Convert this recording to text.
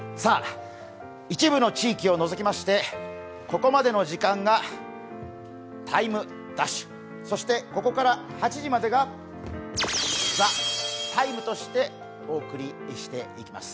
一部の地域を除きましてここまでの時間が「ＴＩＭＥ’」そしてここから８時までが「ＴＨＥＴＩＭＥ，」としてお送りしていきます。